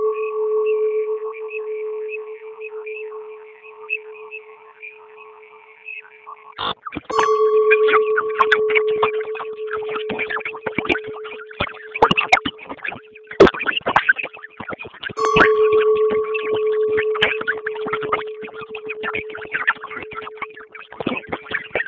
Kifaa kipya cha kudhibiti ubora wa hewa nchini humo kimefadhiliwa kwa kiasi na kampuni ya Google, wakati kikitumia sensa ya aina fulani.